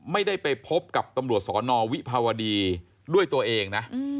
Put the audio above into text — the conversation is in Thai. ไม่ได้ไปพบกับตำรวจสอนอวิภาวดีด้วยตัวเองนะ